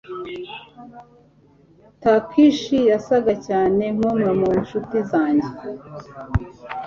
Takeshi yasaga cyane nkumwe mu nshuti zanjye.